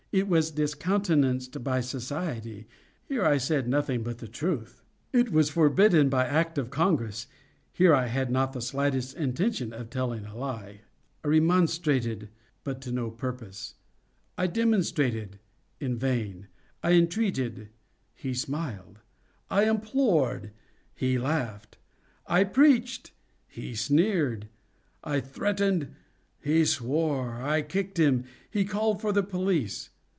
It was discountenanced by society—here I said nothing but the truth. It was forbidden by act of Congress—here I had not the slightest intention of telling a lie. I remonstrated—but to no purpose. I demonstrated—in vain. I entreated—he smiled. I implored—he laughed. I preached—he sneered. I threatened—he swore. I kicked him—he called for the police.